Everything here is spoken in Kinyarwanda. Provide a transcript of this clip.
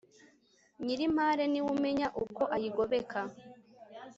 nyiri impare niwe umenya uko ayigobeka